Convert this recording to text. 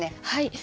はい。